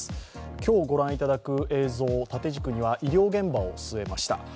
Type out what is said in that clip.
今日御覧いただく映像、縦軸には医療現場を据えました。